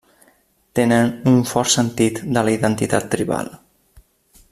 Tenen un fort sentit de la identitat tribal.